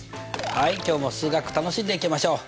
はい今日も数学楽しんでいきましょう。